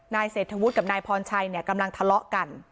นายเศรษฐวุฒิกับนายพรชัยเนี่ยกำลังทะเลาะกัน